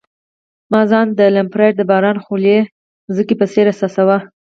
ما ځان د لمپارډ د باران خوړلي مځکې په څېر احساساوه.